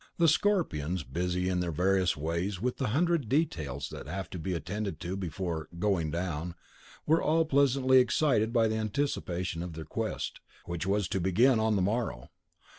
The Scorpions, busy in their various ways with the hundred details that have to be attended to before "going down," were all pleasantly excited by the anticipation of their quest, which was to begin on the morrow.